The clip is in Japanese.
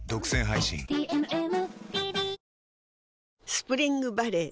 スプリングバレー